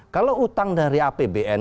kalau utang dari apbn